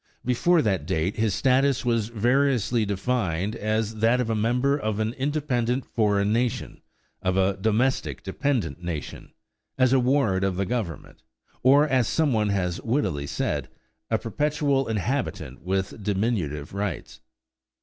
Before that date his status was variously defined as that of a member of an independent foreign nation, of a "domestic dependent nation," as a ward of the Government, or, as some one has wittily said, a "perpetual inhabitant with diminutive rights."